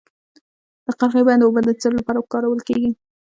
د قرغې بند اوبه د څه لپاره کارول کیږي؟